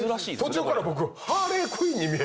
途中から僕。